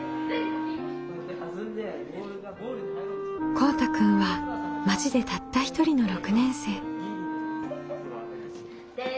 こうたくんは町でたった一人の６年生。